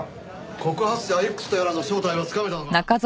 告発者Ｘとやらの正体はつかめたのか？